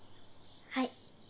はい。